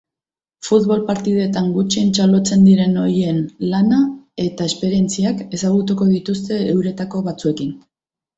Futbol partidetan gutxien txalotzen diren horien lana eta esperientziak ezagutuko dituzte euretako batzuekin.